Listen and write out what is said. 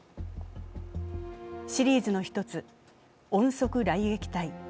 シリーズの一つ、「音速雷撃隊」。